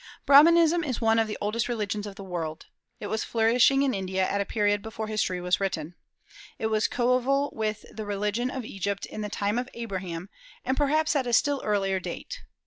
Brahmanism is one of the oldest religions of the world. It was flourishing in India at a period before history was written. It was coeval with the religion of Egypt in the time of Abraham, and perhaps at a still earlier date.